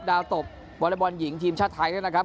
ดาวตบบอลเลบอลหญิงทีมชาติไทยนะครับ